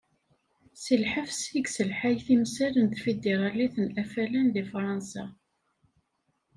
Si lḥebs, i yesselḥay timsal n Tfidiralit n Afalan deg Fransa.